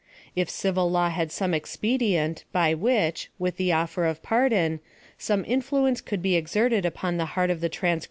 If civil law had some expe dient, by which, with the offer of pardon, some in flue/ice could be r xerted upon the heart of the trans PLAN OF SALVATION.